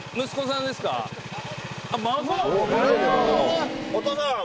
あっ孫！